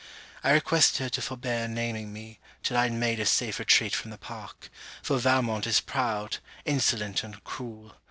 I requested her to forbear naming me, till I had made a safe retreat from the park; for Valmont is proud, insolent and cruel.